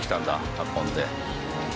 運んで。